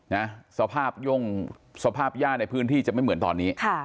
นะสภาพย่งสภาพย่าในพื้นที่จะไม่เหมือนตอนนี้ค่ะ